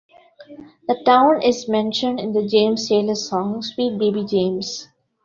The town is mentioned in the James Taylor song "Sweet Baby James".